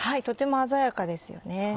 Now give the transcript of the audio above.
とても鮮やかですよね。